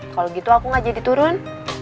kalau gitu aku ngajak diturun